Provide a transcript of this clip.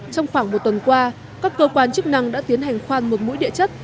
trong khoảng một tuần qua các cơ quan chức năng đã tiến hành khoan một mũi địa chất